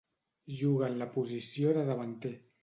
Juga en la posició de davanter.